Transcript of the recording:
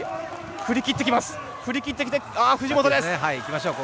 振り切っていく藤本です。